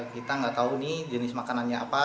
kita nggak tahu nih jenis makanannya apa